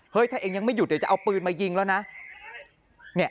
ถ้าเองยังไม่หยุดเดี๋ยวจะเอาปืนมายิงแล้วนะ